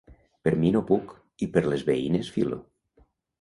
Per mi no puc, i per les veïnes filo.